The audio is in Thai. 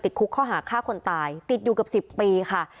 คุกข้อหาฆ่าคนตายติดอยู่กับ๑๐ปีค่ะ